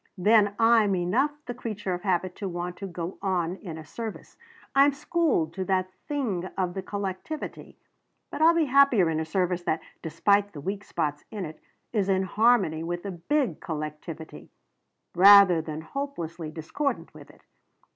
Then I'm enough the creature of habit to want to go on in a service; I'm schooled to that thing of the collectivity. But I'll be happier in a service that despite the weak spots in it is in harmony with the big collectivity rather than hopelessly discordant with it.